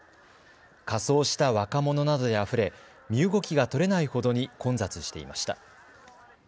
仮装した若者などであふれ、身動きが取れないほどに混雑していました。